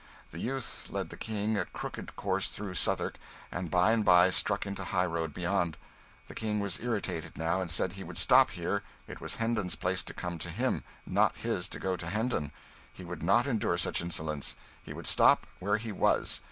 The youth led the King a crooked course through Southwark, and by and by struck into the high road beyond. The King was irritated, now, and said he would stop here it was Hendon's place to come to him, not his to go to Hendon. He would not endure such insolence; he would stop where he was.